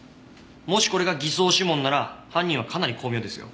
もしこれが偽装指紋なら犯人はかなり巧妙ですよ。